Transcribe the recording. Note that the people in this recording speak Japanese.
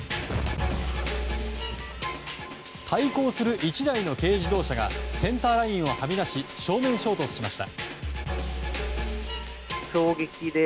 対向する１台の軽自動車がセンターラインをはみ出し正面衝突しました。